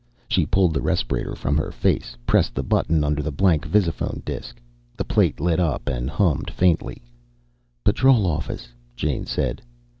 She pulled the respirator from her face, pressed the button under the blank visiphone disk. The plate lit up and hummed faintly. "Patrol Office," Jane said.